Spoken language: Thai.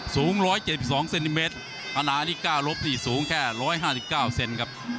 สูง๑๗๒เซนติเมตรอันนี้๙๔สูงแค่๑๕๙เซนติเมตรครับ